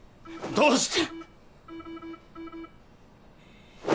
どうして。